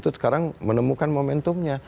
itu sekarang menemukan momentumnya